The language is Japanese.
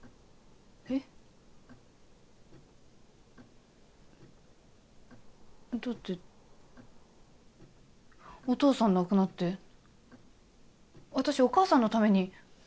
えっ？だってお父さん亡くなって私お母さんのために。